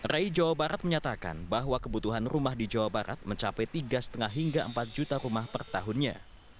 rai jawa barat menyatakan bahwa kebutuhan rumah di jawa barat mencapai tiga lima hingga empat juta rumah per tahunnya